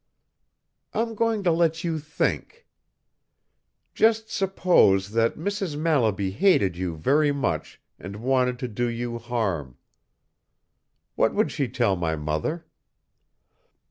"I'm going to let you think. Just suppose that Mrs. Mallaby hated you very much and wanted to do you harm. What would she tell my mother?"